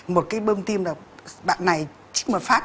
một cái bơm tim là bạn này chích một phát